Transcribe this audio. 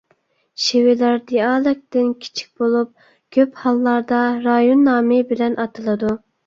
شېۋىلەر دىئالېكتتىن كىچىك بولۇپ، كۆپ ھاللاردا رايون نامى بىلەن ئاتىلىدۇ.